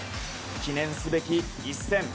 記念すべき一戦。